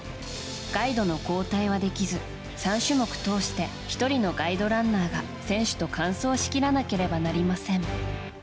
ガイドの交代はできず３種目通して１人のガイドランナーが選手と完走しきらなければなりません。